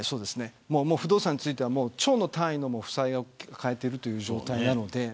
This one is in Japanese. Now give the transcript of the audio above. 不動産については兆の単位の負債を抱えている状況です。